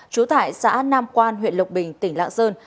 chú thải xã nam quan huyện lộc bình tỉnh lạng sơn